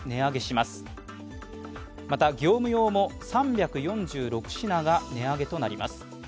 また、業務用も３４６品が値上げとなります。